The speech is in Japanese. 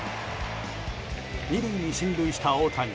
２塁に進塁した大谷。